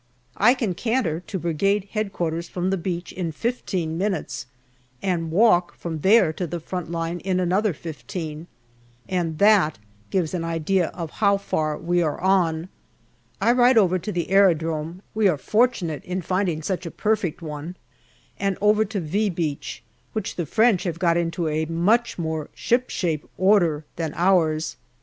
I can canter to Brigade H.Q. from the beach in fifteen minutes, and walk from there to the front line in another fifteen, and that gives an idea of how far we are on. I ride over to the aerodrome we are fortunate in finding such a perfect one and over to " V " Beach, which the French have got into a much more shipshape order than ours.